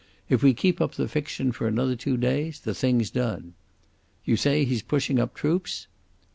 If we keep up the fiction for another two days the thing's done. You say he's pushing up troops?"